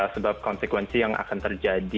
sebab konsekuensi yang akan terjadi